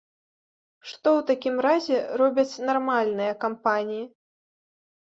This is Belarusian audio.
Што ў такім разе робяць нармальныя кампаніі?